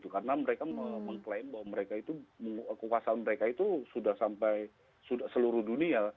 karena mereka mengklaim bahwa kekuasaan mereka itu sudah sampai seluruh dunia